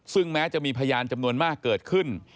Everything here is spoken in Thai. ซึ่งแม้จะมีพยานจำนวนมากเกิดขึ้น